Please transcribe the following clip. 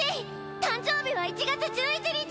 誕生日は１月１１日！